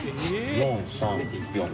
４、３、４。